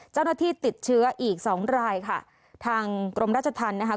เจ้าหน้าที่ติดเชื้ออีกสองรายค่ะทางกรมราชธรรมนะคะ